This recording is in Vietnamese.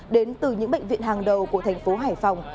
đến từ những bệnh viện hàng đầu của thành phố hải phòng